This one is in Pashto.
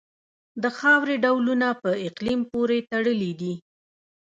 د خاورې ډولونه په اقلیم پورې تړلي دي.